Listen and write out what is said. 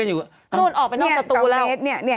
นูกันออกไปด้วยตัวตัวสู่แล้ว